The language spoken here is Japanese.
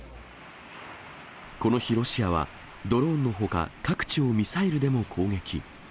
この日、ロシアはドローンのほか、各地をミサイルでも攻撃。